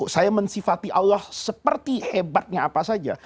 saya mensifati allah seperti hebatnya apa saja